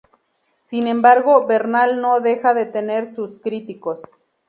Sin embargo, Bernal no deja de tener sus críticos.